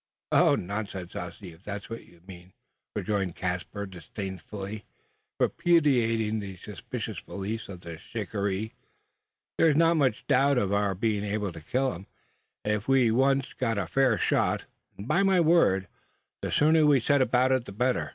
"Oh, nonsense, Ossy! If that's what you mean," rejoined Caspar, disdainfully repudiating the superstitious belief of the shikaree; "there is not much doubt of our being able to kill him, if we once get a fair shot; and by my word, the sooner we set about it the better.